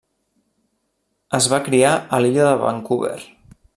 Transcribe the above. Es va criar a l'Illa de Vancouver.